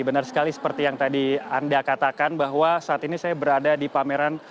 benar sekali seperti yang tadi anda katakan bahwa saat ini saya berada di pameran